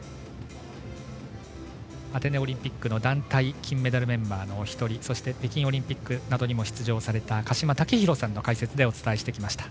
アテネオリンピックの団体金メダルメンバーのお一人そして北京オリンピックなどにも出場された鹿島丈博さんの解説でお伝えしてきました。